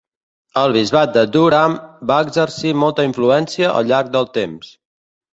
El bisbat de Durham va exercir molta influència al llarg del temps.